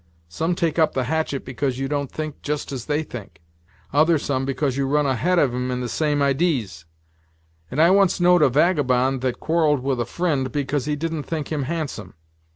Some take up the hatchet because you don't think just as they think; other some because you run ahead of 'em in the same idees; and I once know'd a vagabond that quarrelled with a fri'nd because he didn't think him handsome.